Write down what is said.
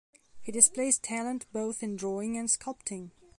He displays talent both in drawing and sculpting.